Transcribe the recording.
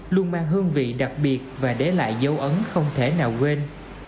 luôn mang hương vị đặc biệt và để lại dấu ấn không thể nào quên